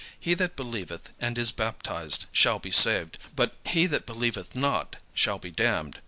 He that believeth and is baptized shall be saved; but he that believeth not shall be damned.